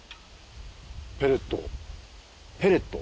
ペレット？